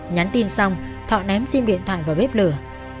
nhắn tin xong thọ ném sim điện thoại vào bếp lửa